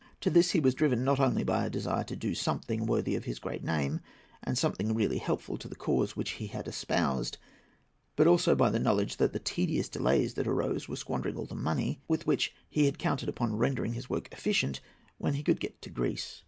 To this he was driven, not only by a desire to do something worthy of his great name, and something really helpful to the cause which he had espoused, but also by the knowledge that the tedious delays that arose were squandering all the money with which he had counted upon rendering his work efficient when he could get to Greece.